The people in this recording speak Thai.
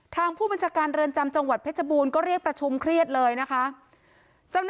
ทางผู้บัญชาการเรือนจำจังหวัดเพชรบูรณ์ก็เรียกประชุมเครียดเลยนะคะ